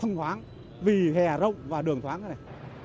đường thoáng vì hè rộng và đường thoáng này